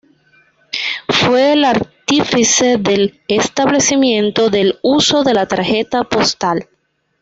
Fue el artífice del establecimiento del uso de la tarjeta postal.